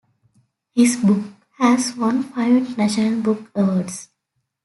His book has won five international book awards.